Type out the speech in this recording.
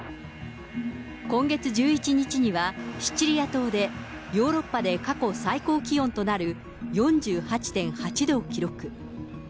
今月１１日には、シチリア島で、ヨーロッパで過去最高気温となる４８．８度を記録。